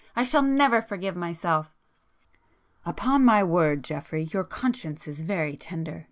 —I shall never forgive myself—" "Upon my word, Geoffrey, your conscience is very tender!"